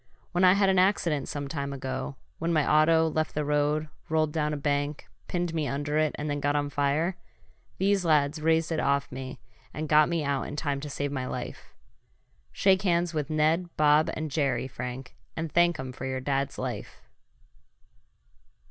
When I had an accident some time ago when my auto left the road, rolled down a bank, pinned me under it and then got on fire these lads raised it off me and got me out in time to save my life. Shake hands with Ned, Bob and Jerry, Frank, and thank 'em for your dad's life."